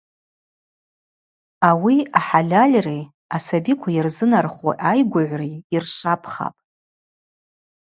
Ауи ахӏальальри асабиква йырзынарху айгвыгӏври йыршвапхапӏ.